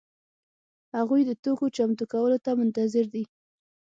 هغوی د توکو چمتو کولو ته منتظر دي.